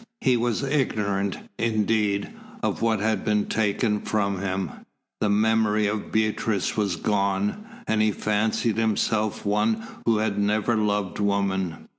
He was ignorant, indeed, of what had been taken from him. The memory of Beatrice was gone, and he fancied himself one who had never loved woman.